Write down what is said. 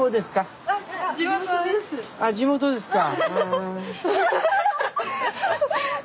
あ地元ですか。